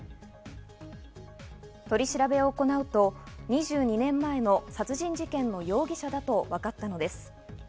取り調べを行うと２２年前の殺人事件の容疑者だとわかったのです。